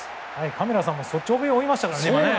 カメラさんもすごい勢いで追いましたからね。